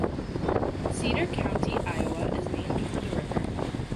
Cedar County, Iowa is named for the river.